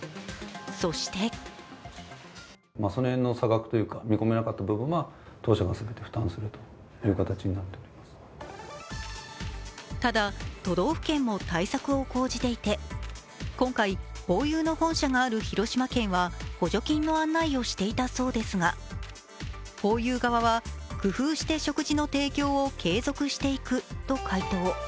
そしてただ、都道府県も対策を講じていて、今回、ホーユーの本社がある広島県は補助金の案内をしていたそうですが、ホーユー側は工夫して食事の提供を継続していくと回答。